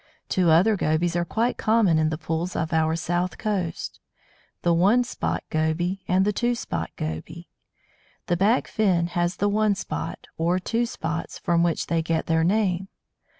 Two other Gobies are quite common in the pools of our south coast the One spot Goby and the Two spot Goby. The back fin has the one spot, or two spots, from which they get their name.